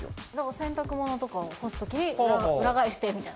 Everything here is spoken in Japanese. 洗濯ものとか干すときに、裏返してみたいな。